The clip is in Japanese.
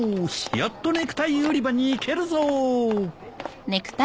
やっとネクタイ売り場に行けるぞ。